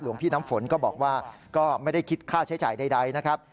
พี่น้ำฝนก็บอกว่าก็ไม่ได้คิดค่าใช้จ่ายใดนะครับ